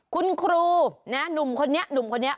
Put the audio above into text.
คุณครูหนุ่มคนเนี่ย